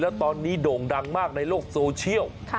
แล้วตอนนี้โด่งดังมากในโลกโซเชียล